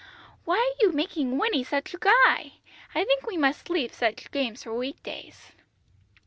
"Why are you making Winnie such a guy? I think we must leave such games for week days."